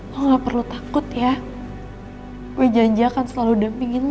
tapi tetep aja dia ngacangin gue